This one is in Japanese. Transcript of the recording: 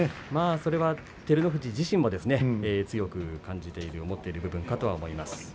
それは照ノ富士自身も強く感じて思っている部分かと思います。